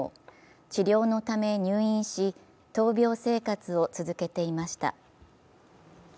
治療のため入院し闘病生活を続けていました。